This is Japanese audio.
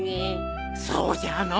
そうじゃのう。